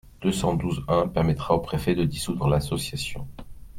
deux cent douze-un permettra au préfet de dissoudre l’association.